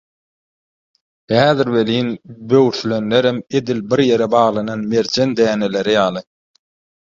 Häzir welin, böwürslenlerem edil bir ýere baglanan merjen däneleri ýaly.